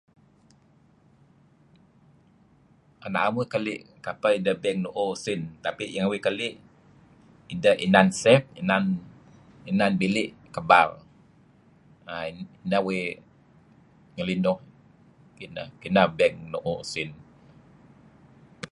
ke na'm uih keli' kapeh ideh pian nu'uh usin tapi uih keli' ideh inan safe, inan... inan bilik kebal . Err... Neh uih ngelinuh ineh, ineh beg nu'uh usin.